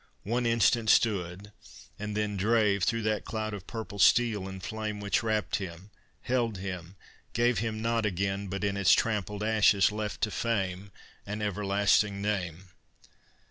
One instant stood, and then Drave through that cloud of purple steel and flame, Which wrapt him, held him, gave him not again, But in its trampled ashes left to Fame An everlasting name!